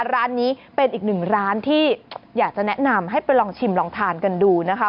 ร้านนี้เป็นอีกหนึ่งร้านที่อยากจะแนะนำให้ไปลองชิมลองทานกันดูนะคะ